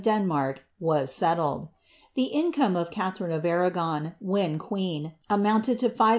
] Denmark was selilet!. The income of Katharine of Airsgon, wbdti queen, amounted lo 5500